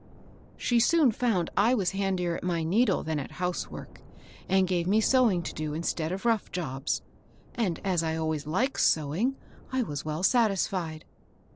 " She soon found I was handier at my needle than at housework, and gave me sewing to do in stead of rough jobs ; and, as I always liked sew ing, I was well satisfied.